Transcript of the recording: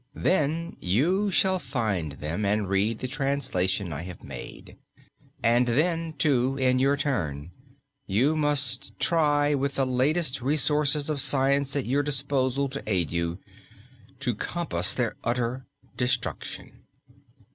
Then you shall find them and read the translation I have made. And then, too, in your turn, you must try, with the latest resources of science at your disposal to aid you, to compass their utter destruction."